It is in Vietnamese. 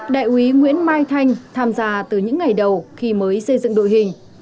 đại úy nguyễn mai thanh tham gia từ những ngày đầu khi mới xây dựng đội hình